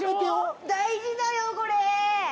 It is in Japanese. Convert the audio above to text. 大事だよこれ。